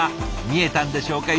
見えたんでしょうか？